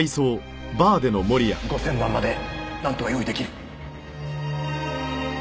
５０００万までなんとか用意出来る。